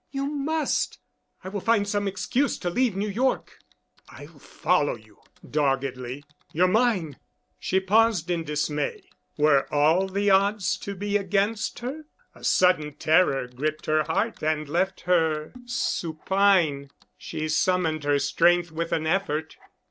"You must! I will find some excuse to leave New York." "I'll follow you," doggedly. "You're mine." She paused in dismay. Were all the odds to be against her? A sudden terror gripped her heart and left her supine. She summoned her strength with an effort.